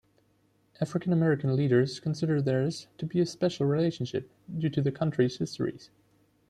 African-American leaders consider theirs to be a special relationship, due to the countries' histories.